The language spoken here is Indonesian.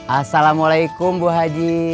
assalamualaikum bu haji